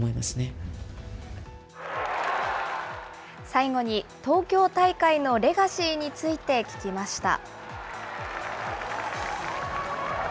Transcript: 最後に東京大会のレガシーについて聞きました。